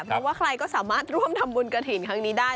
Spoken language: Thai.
เพราะว่าใครก็สามารถร่วมทำบุญกระถิ่นครั้งนี้ได้